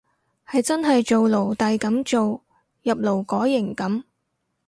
係真係做奴隸噉做，入勞改營噉